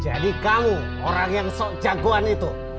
jadi kamu orang yang sok jagoan itu